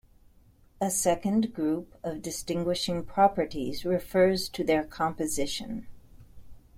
A second group of distinguishing properties refers to their "composition".